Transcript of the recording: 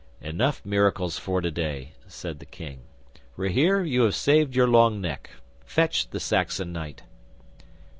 '"Enough miracles for today," said the King. "Rahere, you have saved your long neck. Fetch the Saxon knight."